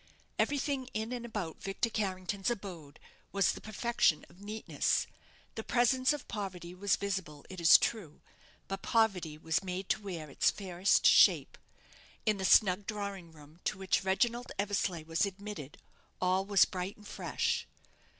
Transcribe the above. Everything in and about Victor Carrington's abode was the perfection of neatness. The presence of poverty was visible, it is true; but poverty was made to wear its fairest shape. In the snug drawing room to which Reginald Eversleigh was admitted all was bright and fresh.